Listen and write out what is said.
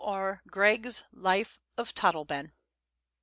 R. Greg's Life of Todleben.